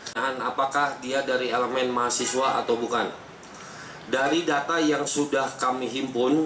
dan apakah dia dari elemen pahasiswa atau bukan